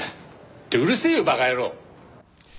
ってうるせえよ馬鹿野郎！